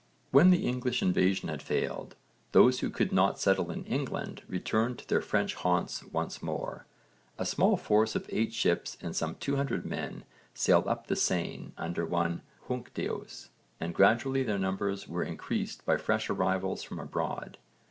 When the English invasion had failed, those who could not settle in England returned to their French haunts once more. A small force of eight ships and some 200 men sailed up the Seine under one 'Huncdeus' and gradually their numbers were increased by fresh arrivals from abroad.